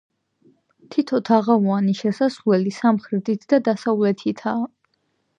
თითო თაღოვანი შესასვლელი სამხრეთით და დასავლეთითაა.